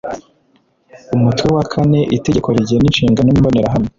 umutwe wa kane , itegeko rigena inshingano n imbonerahamwe